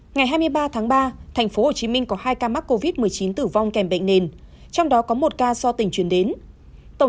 ngày hai mươi ba tháng ba tp hcm có hai ca mắc covid một mươi chín tử vong kèm bệnh nền trong đó có một ca do tỉnh chuyển đến